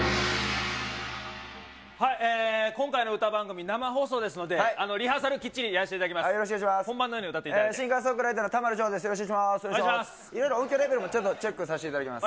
今回の歌番組、生放送ですので、リハーサルきっちりやらせていただきます。